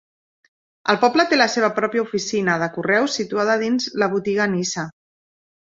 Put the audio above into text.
El poble té la seva pròpia oficina de correus situada dins la botiga Nisa.